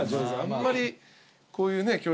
あんまりこういうね。